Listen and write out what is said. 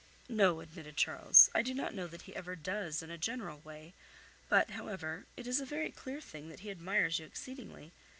"No," admitted Charles, "I do not know that he ever does, in a general way; but however, it is a very clear thing that he admires you exceedingly.